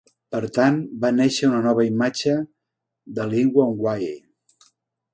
Per tant, va néixer una nova imatge de "Liwayway".